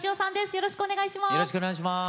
よろしくお願いします。